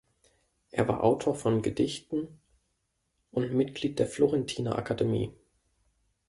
Er war Autor von Gedichten und Mitglied der Florentiner Akademie.